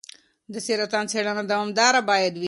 د سرطان څېړنه دوامداره باید وي.